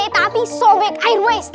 tapi sobek airways tahu